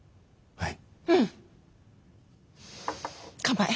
はい。